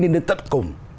nên đến tất cùng